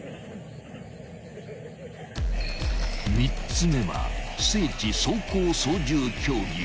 ［３つ目は不整地走行操縦競技］